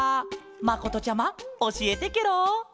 まことちゃまおしえてケロ。